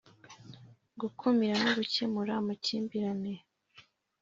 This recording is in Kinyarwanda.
gukumira no gukemura amakimbirane